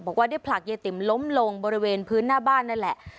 บอกว่าได้ผลักยายติ๋มล้มลงบริเวณพื้นหน้าบ้านนั่นแหละ